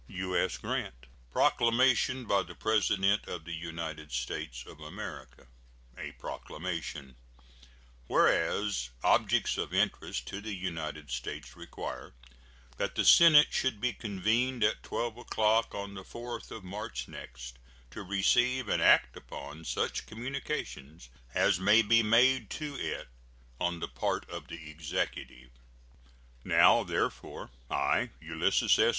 U.S. GRANT. PROCLAMATION. BY THE PRESIDENT OF THE UNITED STATES OF AMERICA. A PROCLAMATION. Whereas objects of interest to the United States require that the Senate should be convened at 12 o'clock on the 4th of March next, to receive and act upon such communications as may be made to it on the part of the Executive: Now, therefore, I, Ulysses S.